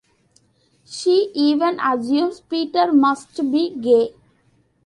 She even assumes Peter must be gay.